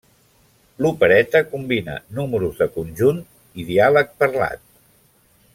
L'opereta combina números de conjunt i diàleg parlat.